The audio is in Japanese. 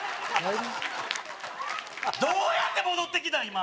どうやって戻ってきたん？